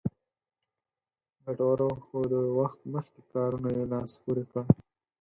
ګټورو خو له وخت مخکې کارونو یې لاس پورې کړ.